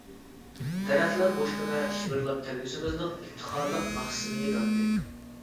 دەرەخلەر بوشقىنە شىۋىرلاپ كەلگۈسىمىزنىڭ ئىپتىخارلىق ناخشىسىنى ئېيتاتتى.